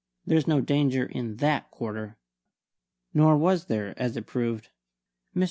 There's no danger in that quarter!" Nor was there, as it proved. Mr.